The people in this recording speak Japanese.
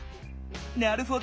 なるほど。